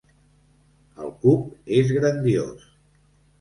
El cup és grandiós.